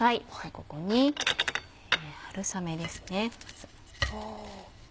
ここに春雨ですね。